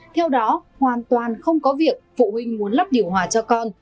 theo đó hoàn toàn không có việc phụ huynh muốn lắp điều hòa cho con